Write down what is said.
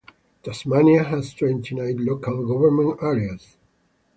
Tasmania has twenty-nine local government areas.